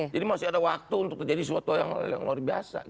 jadi masih ada waktu untuk terjadi sesuatu yang luar biasa